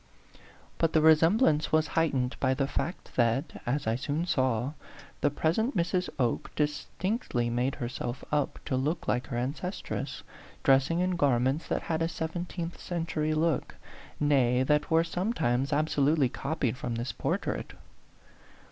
But the resemblance was heightened by the fact that, as I soon saw, the present Mrs. Oke distinct ly made herself up to look like her ancestress, dressing in garments that had a seventeenth century look; nay, that were sometimes ab solutely copied from this portrait.